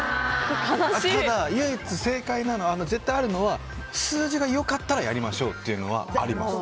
ただ、唯一正解というか絶対あるのは数字が良かったらやりましょうはあります。